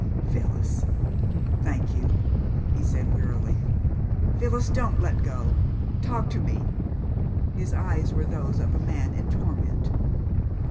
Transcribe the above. "Phyllis. Thank you," he said wearily. ... "Phyllis, don't let go! Talk to me!" His eyes were those of a man in torment.